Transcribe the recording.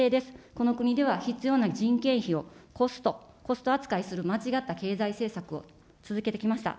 この国では必要な人件費を、コスト、コスト扱いする間違った経済政策を続けてきました。